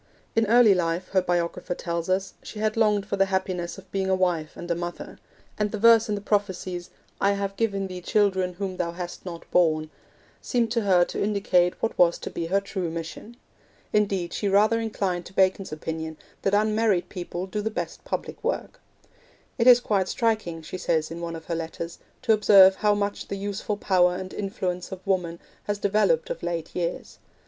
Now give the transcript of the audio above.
In early life, her biographer tells us, she had longed for the happiness of being a wife and a mother; but later she became content that her affection could be freely given to all who needed it, and the verse in the prophecies, 'I have given thee children whom thou hast not borne,' seemed to her to indicate what was to be her true mission. Indeed, she rather inclined to Bacon's opinion, that unmarried people do the best public work. 'It is quite striking,' she says in one of her letters, 'to observe how much the useful power and influence of woman has developed of late years.